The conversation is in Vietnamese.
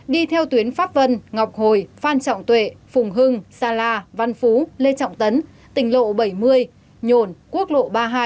đi theo tuyến pháp vân ngọc hồi phan trọng tuệ phùng hưng sa la văn phú lê trọng tấn tỉnh lộ bảy mươi nhồn quốc lộ ba mươi hai